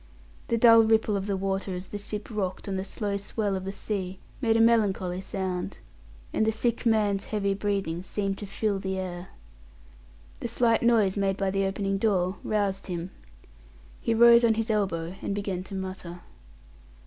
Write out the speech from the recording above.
The dull ripple of the water as the ship rocked on the slow swell of the sea made a melancholy sound, and the sick man's heavy breathing seemed to fill the air. The slight noise made by the opening door roused him; he rose on his elbow and began to mutter.